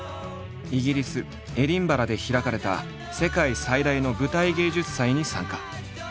イギリスエディンバラで開かれた世界最大の舞台芸術祭に参加。